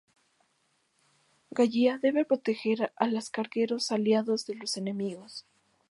Gallia debe proteger a las cargueros aliados de los enemigos.